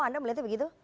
anda melihatnya begitu